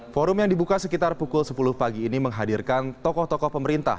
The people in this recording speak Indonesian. forum yang dibuka sekitar pukul sepuluh pagi ini menghadirkan tokoh tokoh pemerintah